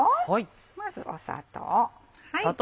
まず砂糖。